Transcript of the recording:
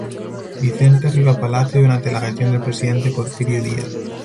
Vicente Riva Palacio durante la gestión del presidente Porfirio Díaz.